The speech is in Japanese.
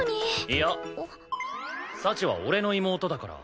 いや幸は俺の妹だから。